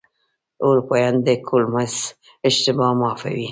اروپایان د کولمبس اشتباه معافوي.